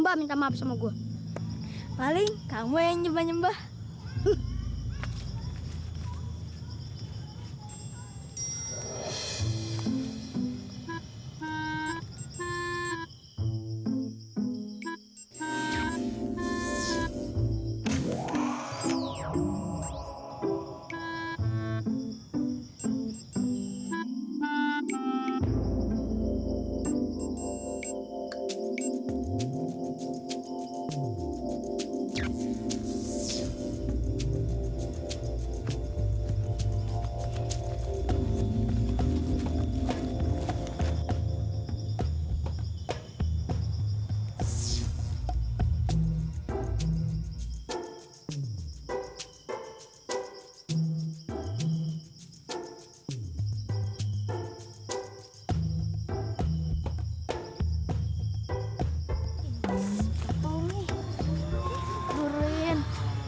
eh belakang belakang belakang